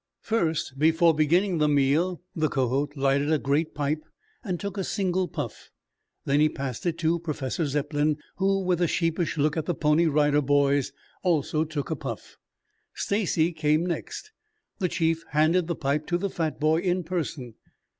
First, before beginning the meal, the Kohot lighted a great pipe and took a single puff. Then he passed it to Professor Zepplin, who, with a sheepish look at the Pony Rider Boys, also took a puff. Stacy came next. The chief handed the pipe to the fat boy in person.